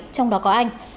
trong đó có anh